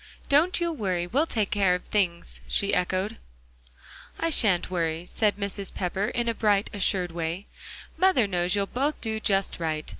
"Don't you worry; we'll take care of things," she echoed. "I shan't worry," said Mrs. Pepper in a bright assured way. "Mother knows you'll both do just right.